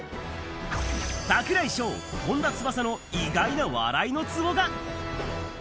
櫻井翔、本田翼の意外な笑いのツボが。